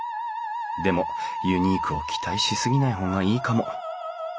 でもユニークを期待し過ぎない方がいいかも。